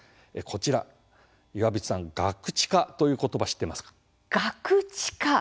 こちら、岩渕さん「ガクチカ」ということば、知っていますか？